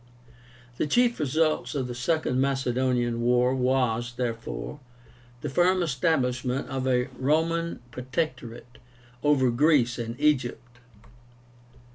The chief result of the second Macedonian war was, therefore, the firm establishment of a ROMAN PROTECTORATE OVER GREECE AND EGYPT.